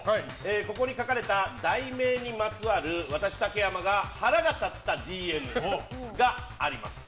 ここに書かれた題名にまつわる私、竹山が腹が立ったＤＭがあります。